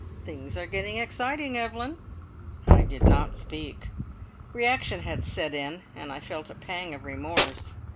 Things are getting exciting, Evelyn!" I did not speak. Reaction had set in, and I felt a pang of remorse.